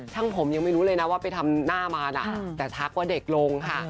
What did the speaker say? ผมยังไม่รู้เลยนะว่าไปทำหน้ามานะแต่ทักว่าเด็กลงค่ะ